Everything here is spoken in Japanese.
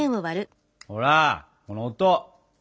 ほらこの音！